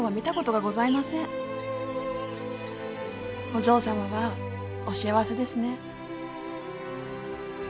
お嬢様はお幸せですね。